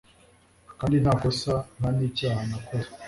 kandi nta kosa nta n'icyaha nakoze